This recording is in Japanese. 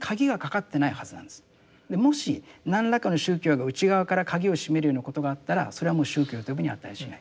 もし何らかの宗教が内側から鍵をしめるようなことがあったらそれはもう宗教と呼ぶに値しない。